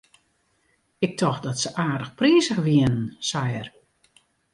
Ik tocht dat se aardich prizich wienen, sei er.